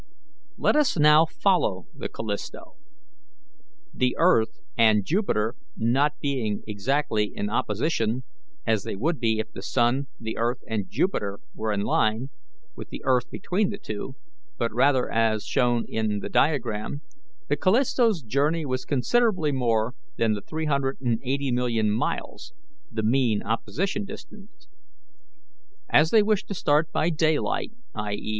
Let us now follow the Callisto. The earth and Jupiter not being exactly in opposition, as they would be if the sun, the earth, and Jupiter were in line, with the earth between the two, but rather as shown in the diagram, the Callisto's journey was considerably more than 380,000,000 miles, the mean opposition distance. As they wished to start by daylight i. e.